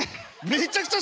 めっちゃくちゃ